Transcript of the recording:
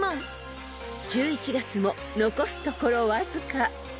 ［１１月も残すところわずか］